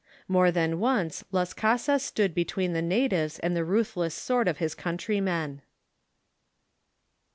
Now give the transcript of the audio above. More than once Las Casas stood between the natives and the ruthless sword of his countrymen.